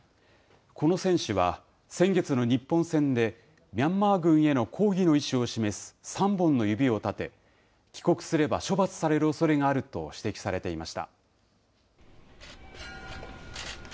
この選手は、先月の日本戦で、ミャンマー軍への抗議の意思を示す３本の指を立て、帰国すれば処罰されるおそれがあると指摘されていました。